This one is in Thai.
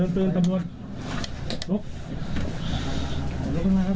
เตือนตำรวจ